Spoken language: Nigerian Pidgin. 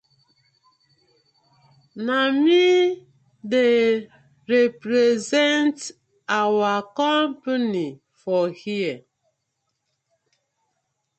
Na mi dey represent our company for here.